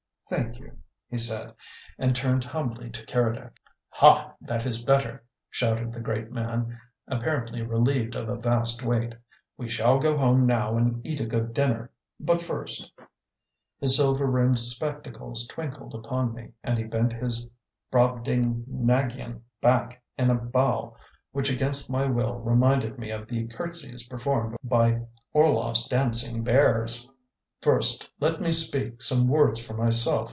"Thank you," he said, and turned humbly to Keredec. "Ha, that is better!" shouted the great man, apparently relieved of a vast weight. "We shall go home now and eat a good dinner. But first " his silver rimmed spectacles twinkled upon me, and he bent his Brobdingnagian back in a bow which against my will reminded me of the curtseys performed by Orloff's dancing bears "first let me speak some words for myself.